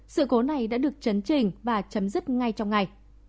sự cố này đã được chấn trình và chấm dứt ngay trong ngày